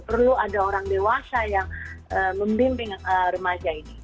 perlu ada orang dewasa yang membimbing remaja ini